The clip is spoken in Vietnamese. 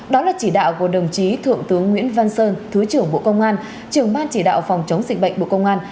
đó là chỉ đạo của đồng chí thượng tướng nguyễn văn sơn thứ trưởng bộ công an trưởng ban chỉ đạo phòng chống dịch bệnh bộ công an